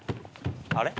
あれ？